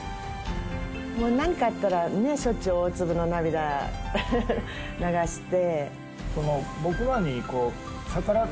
もうなんかあったら、しょっちゅう大粒の涙流して。